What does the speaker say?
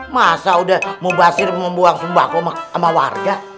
masa udah mubasir membuang sembako sama warga